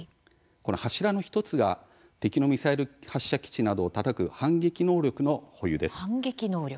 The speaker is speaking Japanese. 柱の１つが敵のミサイル発射基地などをたたく反撃能力。